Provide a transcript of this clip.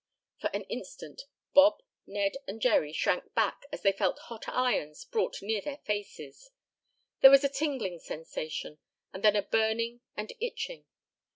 For an instant Bob, Ned and Jerry shrank back as they felt hot irons brought near their faces. There was a tingling sensation, and then a burning and itching.